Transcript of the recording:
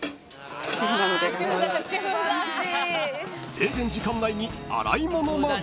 ［制限時間内に洗い物まで］